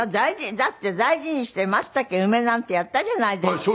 だって大事にして松竹梅なんてやったじゃないですか。